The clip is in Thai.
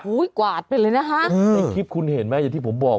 อุ๊ยกวาดไปเลยนะฮะคุณเห็นไหมอย่างที่ผมบอก